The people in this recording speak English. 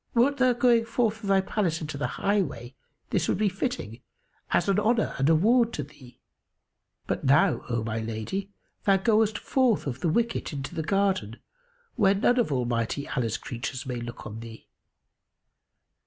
Wert thou going forth of thy palace into the highway, this would be fitting, as an honour and a ward to thee; but, now, O my lady, thou goest forth of the wicket into the garden, where none of Almighty Allah's creatures may look on thee."